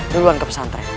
duluan ke pesantren